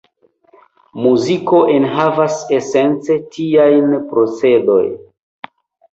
Muziko enhavas esence tiajn procedoj.